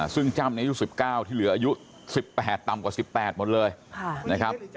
ซึ่งจ้ำอายุ๑๙ที่เหลืออายุ๑๘ต่ำกว่า๑๘หมดเลยนะครับ